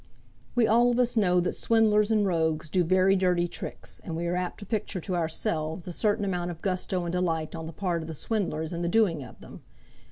We all of us know that swindlers and rogues do very dirty tricks, and we are apt to picture to ourselves a certain amount of gusto and delight on the part of the swindlers in the doing of them.